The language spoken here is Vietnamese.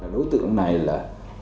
đối tượng này là